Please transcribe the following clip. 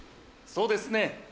そうですねぇ。